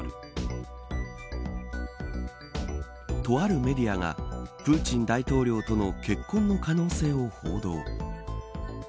とあるメディアがプーチン大統領との結婚の可能性を報道。